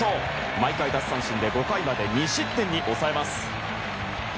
毎回奪三振で５回まで２失点に抑えます。